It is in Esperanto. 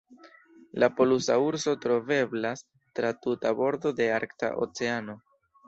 La polusa urso troveblas tra tuta bordo de Arkta Oceano.